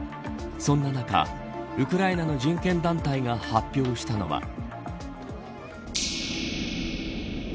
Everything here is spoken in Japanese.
そんな中、ウクライナの人権団体が発表したのは。